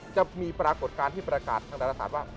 ปรากฏการณ์ที่ประกาศทางดาราศาสตร์ว่า